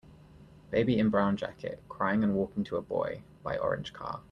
Baby in brown jacket, crying and walking to a boy, by orange car.